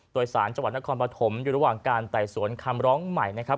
โดยสารจังหวัดนครปฐมอยู่ระหว่างการไต่สวนคำร้องใหม่นะครับ